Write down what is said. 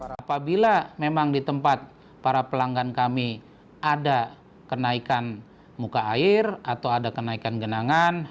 apabila memang di tempat para pelanggan kami ada kenaikan muka air atau ada kenaikan genangan